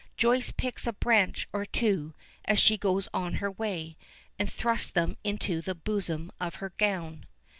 Joyce picks a branch or two as she goes on her way, and thrusts them into the bosom of her gown.